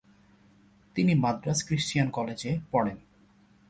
তিনি 'Madras Christian College' এ পড়েন।